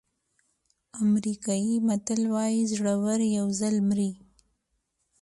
امریکایي متل وایي زړور یو ځل مري.